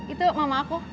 itu mama aku